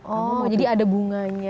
oh jadi ada bunganya